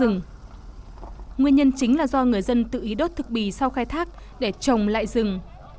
nguyên nhân chính là do người dân tự ý đốt thực bì sau khai thác để trồng lại rừng